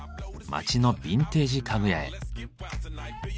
街のビンテージ家具屋へ。